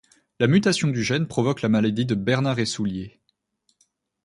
La mutation du gène provoque la maladie de Bernard et Soulier.